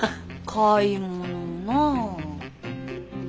買い物なあ。